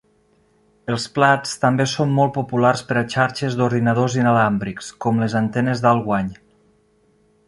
Els plats també són molt populars per a xarxes d'ordinadors inalàmbrics, com les antenes d'alt guany.